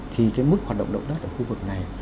thì cái mức hoạt động động đất ở khu vực này